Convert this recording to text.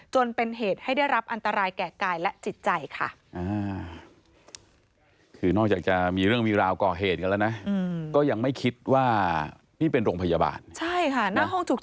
ใช่ค่ะหน้าห้องฉุกเฉินยังตามไปต่อยกัน